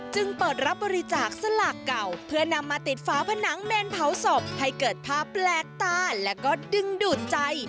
จึงเปิดรับบริจาคสลากเก่าเพื่อนำมาติดฝาผนังเมนเผาศพให้เกิดภาพแปลกตาแล้วก็ดึงดูดใจ